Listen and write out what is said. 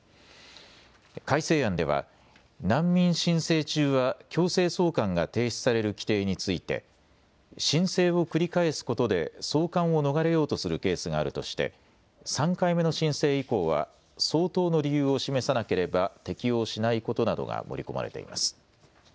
改正案では難民申請中は強制送還が停止される規定について申請を繰り返すことで送還を逃れようとするケースがあるとして３回目の申請以降は相当の理由を示さなければ適用しないことなどが盛り込まれています。